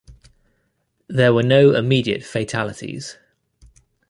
There were no immediate fatalities.